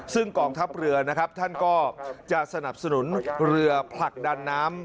ซึ่งกองทัพเรือนะครับท่านก็จะสนับสนุนเรือผลักดันน้ำ